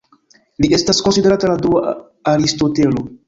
Li estas konsiderata la dua Aristotelo.